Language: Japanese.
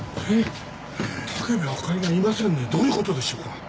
どういう事でしょうか？